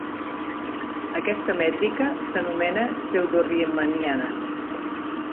Aquesta mètrica s'anomena pseudoriemanniana.